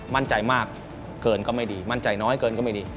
มั่นใจมากเกินก็ไม่ดีมั่นใจน้อยเกินก็ไม่ดี